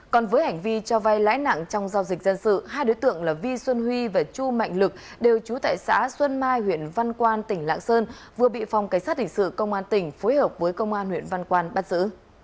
còn với hành vi cho vay lãi nặng trong giao dịch dân sự hai đối tượng là vi xuân huy và chu mạnh lực đều trú tại xã xuân mai huyện văn quan tỉnh lạng sơn vừa bị phòng cảnh sát hình sự công an tỉnh phối hợp với công an huyện văn quan bắt giữ